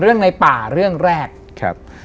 เรื่องในป่าเรื่องแรก